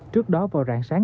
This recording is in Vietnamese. trước đó vào rạng sáng